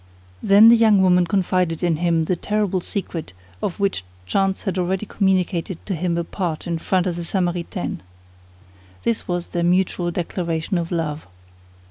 Then the young woman confided in him the terrible secret of which chance had already communicated to him a part in front of the Samaritaine. This was their mutual declaration of love.